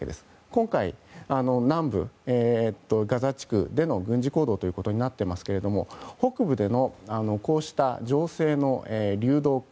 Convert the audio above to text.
今回、南部ガザ地区での軍事行動となっていますが北部でのこうした情勢の流動化